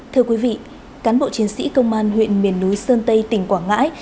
thưa quý vị cán bộ chiến sĩ công an huyện miền núi sơn tây tỉnh quảng ngãi